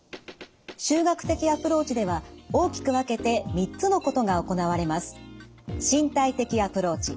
集学的アプローチでは大きく分けて３つのことが行われます。